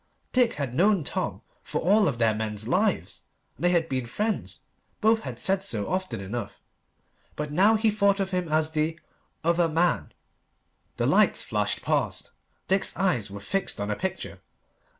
Dick had known Tom for all of their men's lives, and they had been friends. Both had said so often enough. But now he thought of him as the "other man." The lights flashed past. Dick's eyes were fixed on a picture.